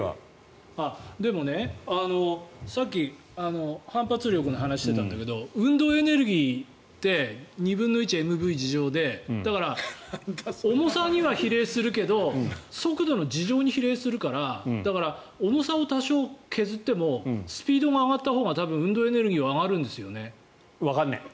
でもね、さっき反発力の話をしてたんだけど運動エネルギーって２分の１ｍｖ二乗でだから、重さには比例するけど速度の二乗に比例するから重さを多少削ってもスピードが上がったほうが多分、運動エネルギーが上がるんですよね。